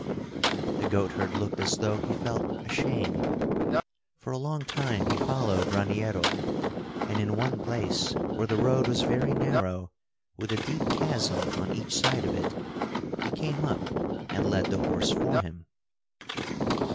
The goatherd looked as though he felt ashamed. For a long time he followed Raniero, and in one place, where the road was very narrow, with a deep chasm on each side of it, he came up and led the horse for him.